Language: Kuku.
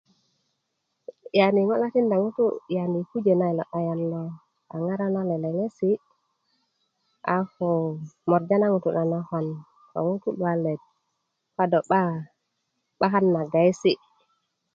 yani ŋo' lo tikinda ŋutu' yani yi pujö na yilo ayan na a ŋara na leleŋesi' a ko morja na ŋutu' na nakwan ko ŋutu' luwalet ko do 'ba 'bakan na gayesi'